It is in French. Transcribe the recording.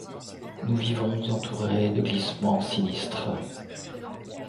Nous vivons entourés de glissements sinistres.